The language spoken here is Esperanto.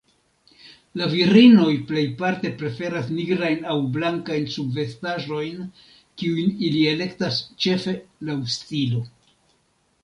La virinoj plejparte preferas nigrajn aŭ blankajn subvestaĵojn, kiujn ili elektas ĉefe laŭ stilo.